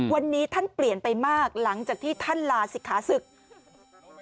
วันนี้ท่านเปลี่ยนไปมากหลังจากที่ท่านลาศิกขาศึก